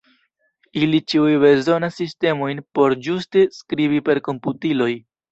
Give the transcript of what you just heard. Ili ĉiuj bezonas sistemojn por ĝuste skribi per komputiloj.